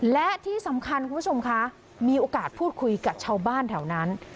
และที่สำคัญคุณผู้ชมคะมีโอกาสพูดคุยกับชาวบ้านแถวนั้น